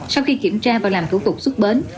sau khi kiểm tra và làm thủ tục xuất bến